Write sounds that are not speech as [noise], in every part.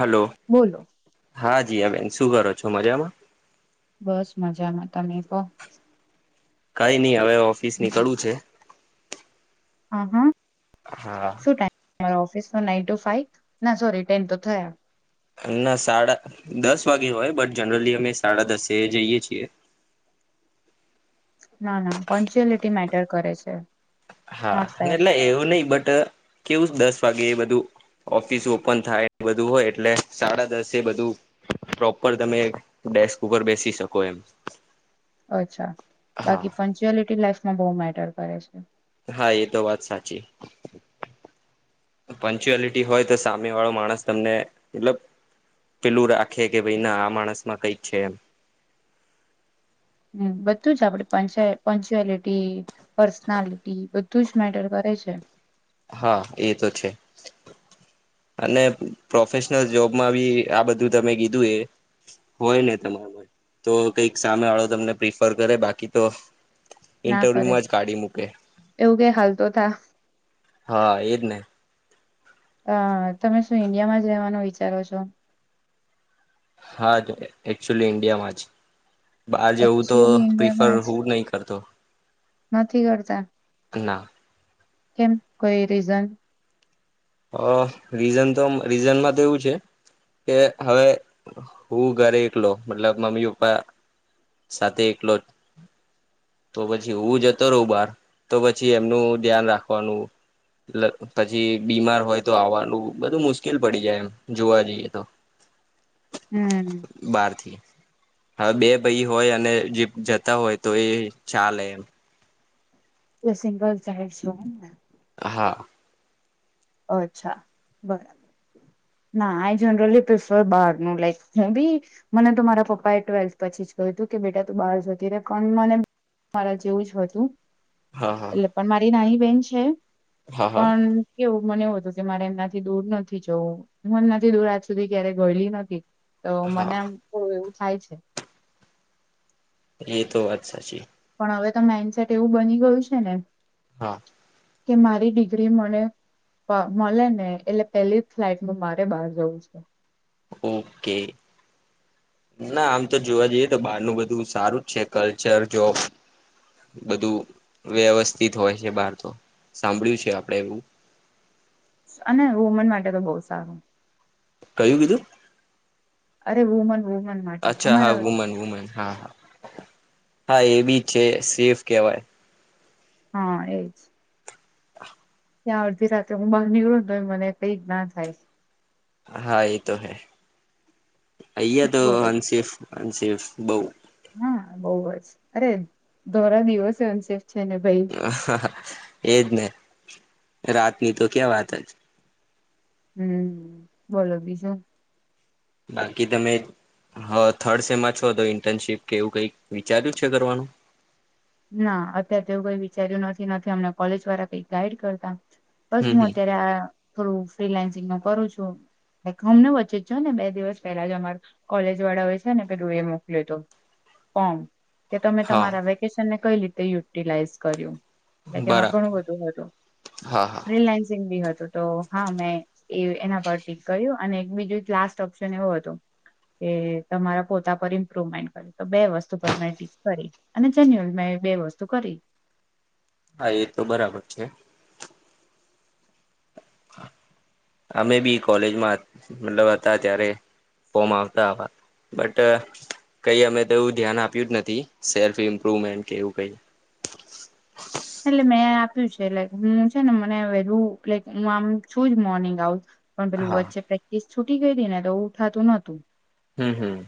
Hello બોલો હા જીયા બેન શું કરો છો મજામાં બસ મજામાં તમે પણહ કઈ નહી હવે ઓફિસ ની કડું છે હ હા હા મારા ઓફિસમાં નાઈન ટુ ફાઈવ ના સોરી ટેન તો થયા ના સાડા દસ વાગે હોય બટ જનરલી અમે સાડા દસે જઈયએ છીએ ના ના પંચ્યુઅલિટી મેટર કરે છે હા નોટ ફેર એટલે એવું નહીં કેવું દસ વાગે એ બધું ઓફિસ ઓપન થાય બધું હોય એટલે સાડા દસે બધું પ્રોપર તમે ડેસ્ક ઉપર બેસી શકો એમ અચ્છા હા બાકી પંચુઅલિટી લાઈફ માં બહુ મેટર કરે છે હા એ તો વાત સાચી પંચુઅલિટી હોય તો સામે વાળો માણસ તમને મતલબ પેલું રાખે કે ભાઈ ના આ માણસ માં કઈક છે એમ હમ બધું જ આપડી પાય પંચુઅલિટી પર્સનાલિટી બધું જ મેટર કરે છે હા એ તો છે અને પ્રોફેશનલ જોબમાં બી આ બધું તમે કીધું એ હોય ને તમારામાં તો કઈક સામે વાળો તમને પ્રિફર કરે બાકી તો ઇન્ટરવ્યુમાં જ કાઢી મૂકે હાલતો થ હા એજ ને હ તમે શું ઇન્ડિયામાં જ રહેવાનું વિચારો છો હા એકક્ચુલી ઇન્ડિયામાં જ બહાર જવું તો એકચુઅલી પ્રિફર ઈન્ડિયામાં જ હું નહી કરતો નથી કરતા ના કેમ કોઈ રીઝન હ રીઝન તો રીઝનમાં તો એવું છે કે હવે હું ઘરે એકલો મતલબ મમ્મી પપ્પા સાથે એકલો તો પછી હું જતો રહું બાર તો પછી એમનું ધ્યાન રાખવાનું પછી બીમાર હોય તો આવવાનું બધું મુશ્કેલ પડી જાય એમ જોવા જઈએ તો હમ બાર થી હા બે ભાઈ હોય અને જી જતા હોય તો એ ચાલે એમ એ સિંગલ ચાહેડ છો ને હા અચ્છા બરાબર ના આઈ જનરલી પ્રિફર બારનું લાઈક મે બી મને તો મારા પપ્પા એ ટ્વેલ્થ પછી જ કહ્યું હતું કે બેટા તું બહાર જતી રે પણ મને મારા જેવું જ હતું હા હા એટલે પણ મારી ના [unintelligible] હા હા પણ એવું મને એવું હતું કે મારે એમનાથી દૂર નથી જવું હું એમનાથી દૂર આજ સુધી ક્યારે ગયલી નથી તો મને હા આમું એવું થાય છે એ તો વાત સાચી હવે તો માઈન્ડસેટ એવું બની ગયું છે ને હા. કે મારી ડિગ્રી મને મળે ને, એટલે પેલી જ ફ્લાઇટમાં મારે બહાર જવું છે. ઓકે, ના આમ તો જોવા જઈએ તો બહારનું બધું સારું જ છે. કલ્ચર, જોબ બધું વ્યવસ્થિત હોય છે બહાર તો સાંભળ્યું છે આપડે એવું. અને વુમન માટે તો બહુ સારું. કયું કીધું? અરે વુમન વુમન માટે અચ્છા, હા, અમારા વુમન, વુમન, હા હા. હા, એ બી છે, સેફ કહેવાય. હા, એજ. ત્યાં અડધી રાત્રે હું બહાર નીકળું ને, તો મને કઈ જ્ઞાન થાય? હા, એ તો હૈ. અહીં તો બોલો અનસેફ અને બઉુ હા, બઉ જ. અરે ધોરા દિવસે અમે છે ને, ભાઈ. એજ ને, રાતની તો ક્યાં વાત જ! હમ્મ, બોલો બીજું? બાકી તમે હા થર્ડ સેમાં છો, તો ઇન્ટર્નશીપ કે એવું કઈ વિચાર્યું છે કરવાનું? ના, અત્યારે તેવું કઈ વિચાર્યું નથી. નથી અમને કોલેજ વાળા કંઈક ગાઈડ કરતા બસ, હમ હું હમ અત્યારે આ થોડું ફ્રીલાન્સિંગ નું કરું છું. લાઈક હમને વચ્ચે જો ને, બે દિવસ પેલા જ અમાર કોલેજ વાળા હોય છે ને, પેલું એ મોકલ્યું તો ફોર્મ. કે તમે હા તમારા વ્યક ને કંઈ રીતે યુટિલાઈઝ કર્યું? એટલે, તેમાં ઘણું બરાબર બધું હતું. હા હા ફ્રીલાન્સિંગ બી હતું, તો હા, મેં એ એના પર ટીક કર્યું. અને એક બીજું, એક લાસ્ટ ઓપ્શન એવું હતું કે તમારા પોતા પર ઇમ્પ્રુવમેન્ટ કર્યું. તો બે વસ્તુ પર મેં ટીક કરી, અને જેન્યુલ મેં બે વસ્તુ કરી. હા, એ તો બરાબર છે. હા, અમે બી કોલેજમાં, મતલબ હતા ત્યારે ફોર્મ આવતા હતા. બટ, કંઈ અમે તો એવું ધ્યાન આપ્યું જ નથી, સેલ્ફ ઇમ્પ્રુવમેન્ટ કે એવું કઈ એટલે મેં આપ્યું છે, લાઈક હું છે ને મને વેલુ લાઈક હું આમ છું જ મોર્નિંગ આઉલ પણ હા પેલું છે, પ્રેક્ટિસ છૂટી ગઈ તી ને, તો ઉઠાતું નોતું. હમ્મ, હમ્મ.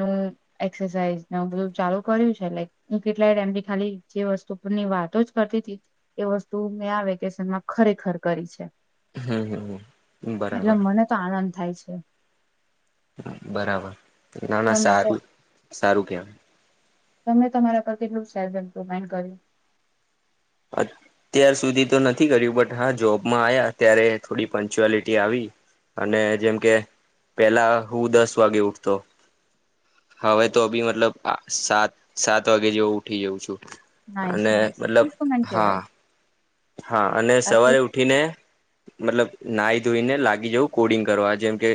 હમ્મ, એક્સરસાઇઝ બધું ચાલુ કર્યું છે લાઈક, હું એટલે હું કેટલાય ટાઈમથી ખાલી જે વસ્તુની વાત તો જ કરતી તી એ વસ્તુ મેં આ વેકેશનમાં ખરેખર કરી છે. હમ્મ, હમ્મ, હમ્મ એટલે બરાબર. મને તો આનંદ થાય છે. બરાબર, ના ના, તમે કહો સારું સારું કેવાહ. તમે તમારા પર કેટલું સેલ્ફ ઇમ્પ્રુમેન્ટ કર્યું? અત્યાર સુધી તો નથી કર્યું, બટ હા જોબમાં આવ્યા ત્યારે થોડી પંચુઆલિટી આવી. અને જેમ કે પેલા હું દસ વાગે ઉઠતો, હવે તો બી મતલબ આહ સાત-સાત વાગે જેવું ઉઠી જઉં છું. નાઈસ, અને નાઈસ. મતલબ ઇમ્પ્રુમેન્ટ હા. હા અને બાકી સવારે ઉઠીને મતલબ નાઈ ધોઈને લાગી જવું કોડિંગ કરવા જેમ કે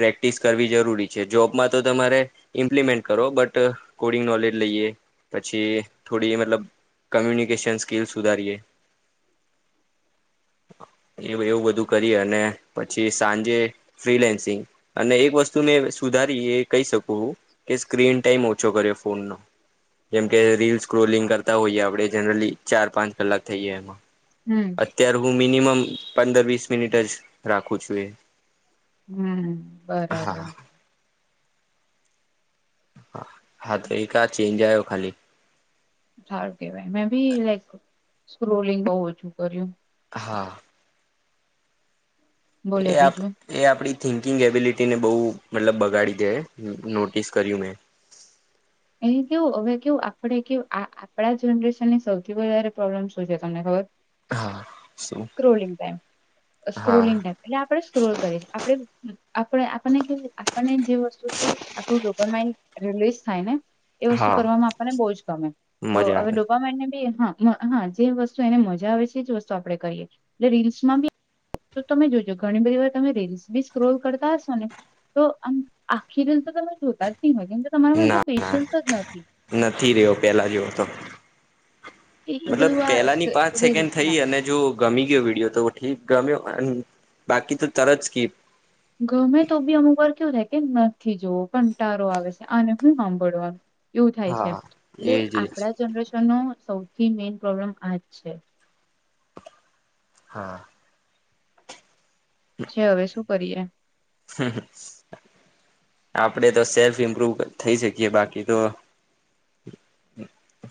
પ્રેક્ટિસ કરવી જરૂરી છે. જોબમાં તો તમારે ઇમ્પ્લિમેન્ટ કરો બટ કોડિંગ નોલેજ લઈએ પછી થોડી મતલબ કમ્યુનિકેશન સ્કીલ સુધારીએ એ એવું બધું કરી અને પછી સાંજે ફ્રીલેન્સિંગ અને એક વસ્તુ મેં સુધારી એ કહી શકું હું કે સ્ક્રીન ટાઈમ ઓછો કર્યો ફોન નો. જેમકે રીલસ સ્ક્રોલિંગ કરતા હોઈએ આપણે જનરલી ચાર પાંચ કલાક થઈ એ એમાં હમ અત્યાર હું મિનિમમ પંદર વીસ મિનિટ જ રાખું છું એ હમ્મ, હા બરાબર. હા, હા તો એ આ ચેન્જ આવ્યો ખાલી. સારું કેવાય મેં બી લાઈક સ્ક્રોલિંગ બહુ ઓછું કર્યું. હા. બોલો એ આપ બીજું એ આપડી થિંકિંગ એબિલિટીને બહુ મતલબ બગાડી દે નોટિસ કર્યું મેં એ કેવું હવે કેવું આપણે કે આપણા જનરેશનની સૌથી વધારે પ્રોબ્લેમ શું છે, તમને ખબર? હા શું સ્ક્રોલિંગ ટાઈમ હા સ્ક્રોલિંગ ટાઈ એટલે આપણે સ્ક્રોલ કરી છે, આપે આપે આપણને કેવું આપને જે વસ્તુથી આપણું ડોપમાઈન રિલીઝ થાય ને, એ વસ્તુ હા કરવામાં આપણને બહુ જ ગમે તો મજા હવે આવે ડોપામાઈન ને બી હા હા, જે વસ્તુ એને મજા આવે છે, એ જ વસ્તુ આપડણે કરીએ એટલે રીલ્સમાં બી તો તમે જોજો ઘણી બધી વાર તમે રીલ્સ બી સ્ક્રોલ કરતા હશો, ને તો આમ આખી રીલ તો તમે જોતા જ નહી હોય કેમ કે તમારામાં ના એટલું ના પેશન્સ જ નથી નથી રહ્યો પેલા જેવો તો એ એ મતલબ બધું આ પેલા ની પાંચ સેકન્ડ થઇ, રીલ્સમાં અને જો ગમી ગયો વિડીિયો તો ઠીક, ગમ્યો બાકી તો તરત ક ગમે તો બી અમુક વાર કેવું થાય કે નથી જોવો પણ તારો આવે છે, આને હું સાંભળવાનું એવું થાય છે, હા એટલે એજ એજ આપડા જનરેશન ન સૌથી મેન પ્રોબ્લેમ આજ છે, હા છે, હવે શું કરીએ? આપડે તો સેલ્ફ ઇમ્પ્રુવ થઈ શકીએ બાકી તો,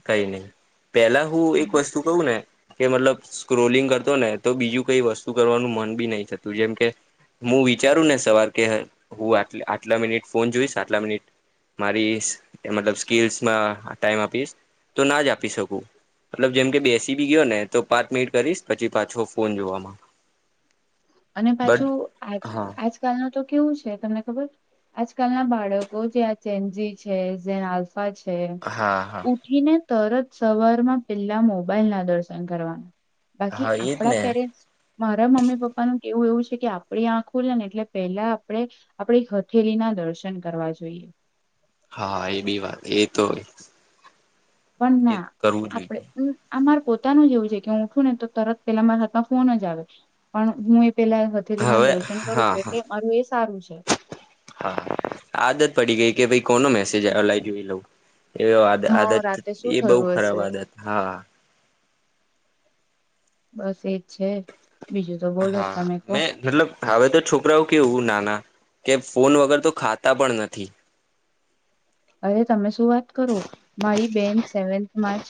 કઈ નહી, પેલા હું એક વસ્તુ કવું ને, કે મતલબ સ્ક્રોલિંગ કરતો ને તો બીજું કઈ વસ્તુ કરવાનું મન બી નહી થતું જેમ કે હું વિચારું ને સવાર કે હું આટ આટલા મિનિટ ફોન જોઈશ આટલા મિનિટ મારી મતલબ સ્કીલસ ટાઈમ આપીશ, તો ના જ આપી શકું મતલબ જેમ કે બેસી બી ગયો ને તો પાંચ મિનિટ કરીશ પછી, પાછો ફોન જોવામાં અને પાજુ બટ આજ હા આજકાલ ન તો કેવું છે, તમને ખબર આજકાલ ના બાળકો જેજી છે, પા છે હા હા ઉઠીને તરત સવારમાં પેલા મોબાઈલ ના દર્શન કરવાના, બાકી હા એજ આપડા ને પેરેન્ટ્ મારા મમ્મી પપ્પાનું, એવું એવું છે, કે આપણી આંખો લ ને એટલે પેલા આપણે આપડી હથેલી ના દર્શન કરવા જોઈએ. હા એ બી વાત એ તોય પણ ના આપડે આ મારે પોતાનું જેવું છે, કે હું ઉઠું ને તો તરત પેલા મારા હાથમાં ફોન જ આવે પણ હું પેલા હથેલી ના હવે દર્શન કરું હા છું, એટલે મારું એ સારું છે. હા આદત પડી ગઈ કે ભાઈ કોનો મેસેજ અલાઈ જોઈ લઉ એવી હા આદત રાતે શું એ બહુ થયું ખરાબ હશે આદત હા બસ એજ છે બીજું તો બોલો હા તમે કહો મેં મતલબ હવે તો છોકરાઓ કેવું નાના કે ફોન વગર તો ખાતા પણ નથી અરે તમે શું માંજ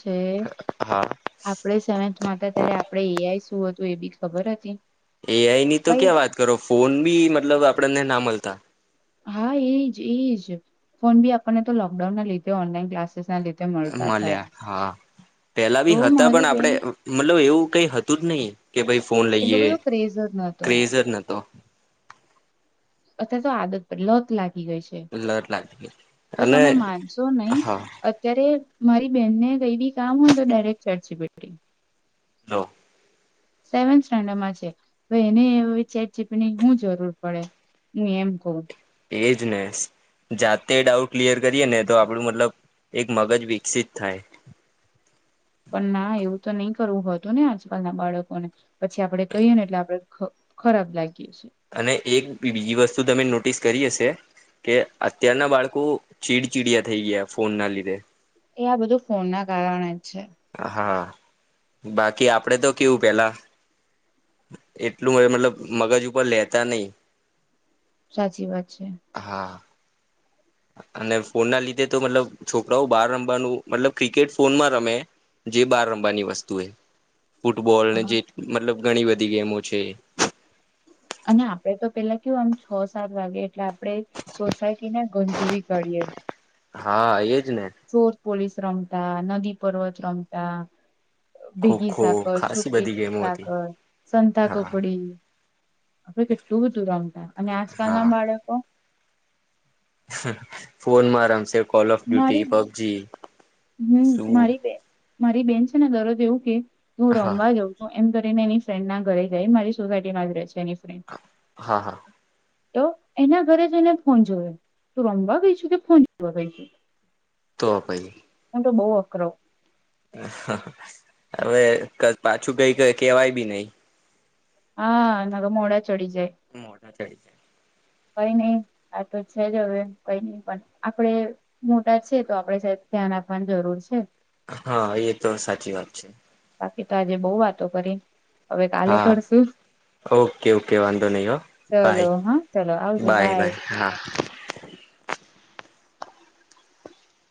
હા આપડે સ માતા ત્યારે આપડે એઆઈ શું હતું એ બી ખબર હતી એ આઈ ની તો કઈ ક્યાં વાત કરો ફોન બી મ મતલબ આપડેને ના મળતા હા એજ એજ ફોન બી આપણને તો લોકડાઉન ના લીધે ઓનલાઈન ક્લાસ મળ્યા હા પેલા તો બી હતા મારી પણ બેન આપડે મતલબ એવું કઈ હતું જ નહી કે ભાઈ ફોન એટલો લઈએ બધો ક્રેઝ જ નતો ક્રેઝર નતો અથવા તો આદત પડે લત લાગે ગ છે લત લાગી ગઈ. તો અને તમે માનશો નહી હા અત્યારે મારી બેનને કઈી કામ હોય તો ડાયરેક્ટ ચર્ચી પ હલો સેવન્ સ્ટાન્ડર્ડમાં છે એને ચેટ ચીપની હું જરૂર પડે હું એમ કઉ એજ ને જાતે ડાઉટ ક્લિયર કરીએ ને તો આપણું મતલબ એક મગજ વિકસિત થાય પણ ના એવું તો નહી કરવું હોતું ને આજકાલ ના બાળકોને પછી આપડે કહીએ ને એટલે આપડે ખરાબ લાગ્યું અને એક બીજી વસ્તુ તમે નોટિસ કરી હશે કે અત્યારના બાળકો ચીડચીડયા થઈ ગયા ફોન ના લીધે એ આ બધું ફોન ના કારણે જ છે હા બાકી આપડે તો કેવું પેલા એટલું મતલબ મગજ ઉપર લેતા નહ સાચી વાત છે અને ફોનના લીધે તો મતલબ છોકરાઓ બહાર રમવાનું મતલબ ક્રિકેટ ફોનમાં રમે જે બાર રમવાની વસ્તુ એ ફૂટબોલને હા જે મતલબ ઘણી બધી ગેમો છે. અને આપડે તો પેલા કેવું આમ છ સાત વાગે એટલે આપ આપણે સોસાયટીને ગુંજવી કાળીએ. હા એ જ ચોર પોલીસ રમતા, નદી પર્વત રમતા ભેગી ખોખો સાકર, ખાસી છોટી બધી ગેમો હતી સાકર, સંતા હા કકડી આપણે કેટલું બધું રમતા અને હા આજકાલના બાળકો ફોનમાં રમશે કોલ ઓફ ડ્યુટી, મારી પબજી, હમ શું મારી બેન મારી બેન છે ને દરોજ એવું કે હું હા રમવા જઉં છું. એમ કરીને એની ફ્રેન્ડના ઘરે જાય મારી સોસાયટીમાં જ રે છે. તેની ફ્રેન્ડ. હા હા તો એના ઘરે જ એને ફોન જોયો. તું રમવા ગઈ છુ કે ફોન જોવા ગઈ છું. તો પઈ હું તો બહુ અકરો હવે ક પાછું કઈ કઈ કેવાય બી નહીં. હા ન તો મોડા ચડી જાય. મોટા ચડી જાય કઈ નઈ આ તો છે જ હવે કઈ નઈ પન આપણે મોટા છીએ તો આપણે સેજ ધ્યાન આપવાની જરૂર છે. હા એ તો સાચી વાત છે. પિતા આજે બહુ વાતો કરી હવે કાલે હા કરશું ઓકે ઓકે વાંધો નહી હ ચલો બાય હા ચલો આવજો બાય બાય હા.